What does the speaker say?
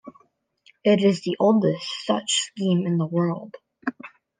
It is the oldest such scheme in the world.